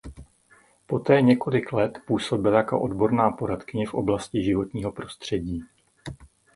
Poté několik let působila jako odborná poradkyně v oblasti životního prostředí.